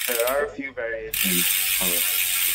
There are a few variations, however.